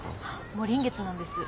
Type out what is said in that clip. もう臨月なんです。